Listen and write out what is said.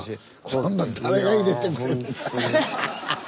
そんなん誰が入れてくれんねんハハハハッ！